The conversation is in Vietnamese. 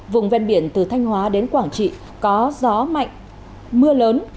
vùng ven biển từ thanh hóa đến quảng trị có gió mạnh mưa lớn